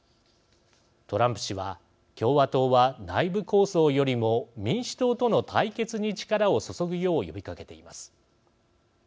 トランプ氏は、共和党は内部抗争よりも民主党との対決に力を注ぐよう呼びかけています。